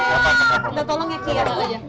mainannya dibawah ya